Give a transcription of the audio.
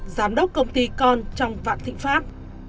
giám đốc công ty con trong vạn thịnh pháp